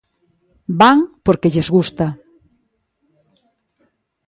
"Van porque lles gusta".